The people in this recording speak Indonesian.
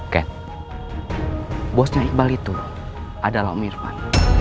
kat bosnya iqbal itu adalah om irfan